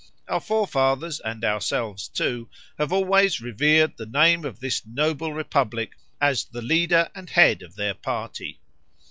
Our forefathers, and ourselves too, have always revered the name of this noble republic as the leader and head of their party.